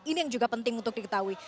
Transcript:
ini yang juga penting untuk diketahui